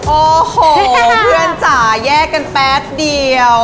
โอ้โหเพื่อนจ๋าแยกกันแป๊บเดียว